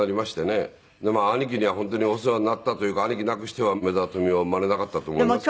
で兄貴には本当にお世話になったというか兄貴なくしては梅沢富美男は生まれなかったと思いますけど。